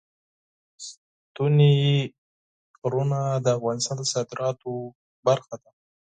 ستوني غرونه د افغانستان د صادراتو برخه ده.